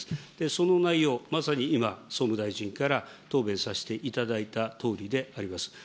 その内容、まさに今、総務大臣から答弁させていただいたとおりであります。